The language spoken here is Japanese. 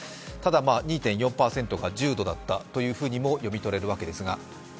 ただ、２．４％が重度だったというふうにも読み取れるわけですが。